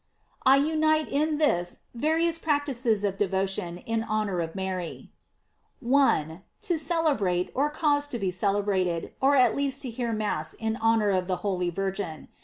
I UNITE in this various practices of devotion in honor of Mary. 1. To celebrate, or cause to be celebrated, or at least to hear Mass in honor of the holy Virgin.